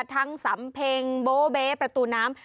ทั้งสัมเพ็งโบเบประตูน้ำ